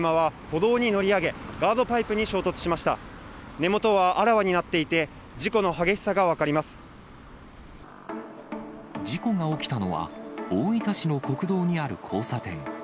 根元はあらわになっていて、事故が起きたのは、大分市の国道にある交差点。